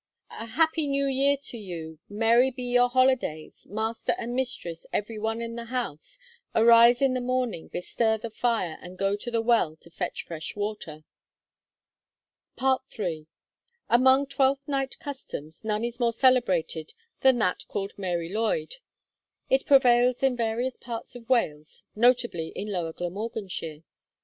A happy new year to you, Merry be your holidays, Master and mistress every one in the house; Arise in the morning; bestir the fire, And go to the well to fetch fresh water. FOOTNOTE: Dennys, 'Folk Lore of China,' 31. III. Among Twelfth Night customs, none is more celebrated than that called Mary Lwyd. It prevails in various parts of Wales, notably in lower Glamorganshire.